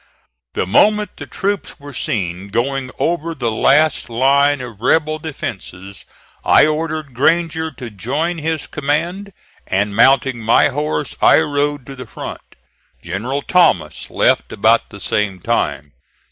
The moment the troops were seen going over the last line of rebel defences, I ordered Granger to join his command, and mounting my horse I rode to the front. General Thomas left about the same time.